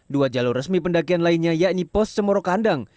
dua jalur resmi pendakian lainnya yakni pos semoro kandang